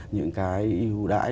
những cái yêu đãi